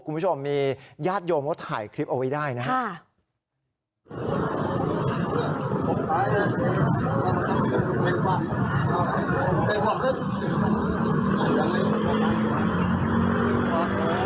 คุณผู้ชมมีญาติโยมเขาถ่ายคลิปเอาไว้ได้นะครับ